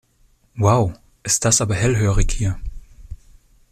Wow, ist das aber hellhörig hier.